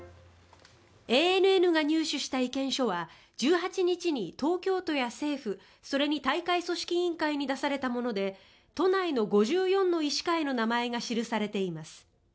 ＡＮＮが入手した意見書は１８日に東京都や政府それに大会組織委員会に出されたもので都内の５４の医師会の名前が記されています。